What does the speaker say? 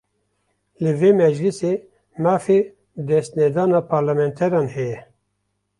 Li vê meclîsê, mafê destnedana parlementeran heye